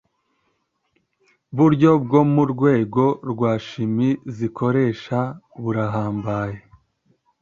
buryo bwo mu rwego rwa shimi zikoresha burahambaye